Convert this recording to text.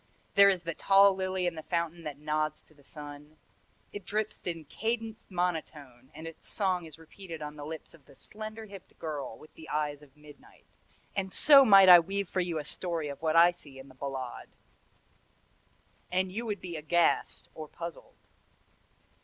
There is the tall lily in the fountain that nods to the sun. It drips in cadenced monotone and its song is repeated on the lips of the slender hipped girl with the eyes of midnight and so might I weave for you a story of what I see in the Ballade and you would be aghast or puzzled.